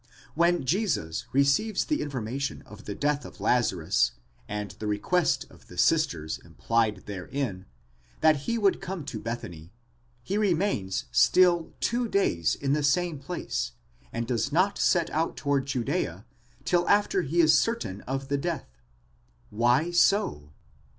When Jesus receives the information of the death of Lazarus, and the request of the sisters implied therein, that he would come to Bethany, he remains still two days in the same place, and does not set out toward Judea till after he is certain of the death, Why so?